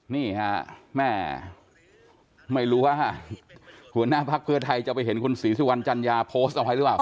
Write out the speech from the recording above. นี่ฮะแม่ไม่รู้ว่าหัวหน้าพักเพื่อไทยจะไปเห็นคุณศรีสุวรรณจัญญาโพสต์เอาไว้หรือเปล่า